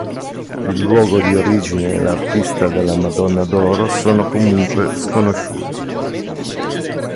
Il luogo di origine e l'artista della Madonna d'Oro sono comunque sconosciuti.